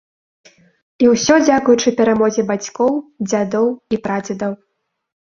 І ўсё дзякуючы перамозе бацькоў, дзядоў і прадзедаў.